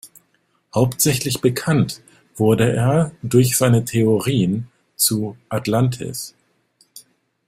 Hauptsächlich bekannt wurde er durch seine Theorien zu Atlantis.